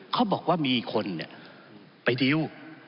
เขาบอกว่ามีอีกคนเนี่ยไปดิ้ว